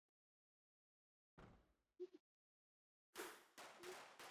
Barne nukleoaren kristalizazio denbora oraindik ez da ebatzi bere osotasunean.